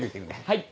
はい。